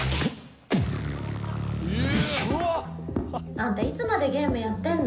あんたいつまでゲームやってんの。